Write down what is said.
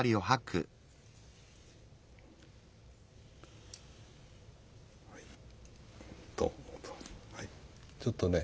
はい。